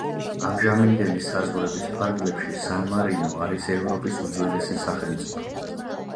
ამჟამინდელი საზღვრების ფარგლებში სან-მარინო არის ევროპის უძველესი სახელმწიფო.